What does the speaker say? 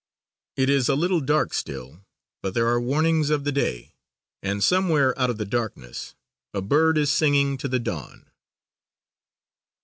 It is a little dark still, but there are warnings of the day and somewhere out of the darkness a bird is singing to the Dawn.